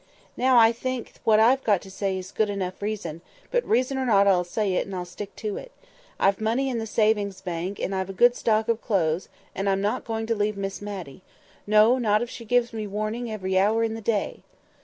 Now I think what I've got to say is good enough reason; but reason or not, I'll say it, and I'll stick to it. I've money in the Savings Bank, and I've a good stock of clothes, and I'm not going to leave Miss Matty. No, not if she gives me warning every hour in the day!"